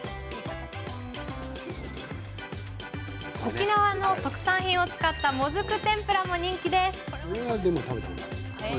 沖縄の特産品を使ったもずく天ぷらも人気です。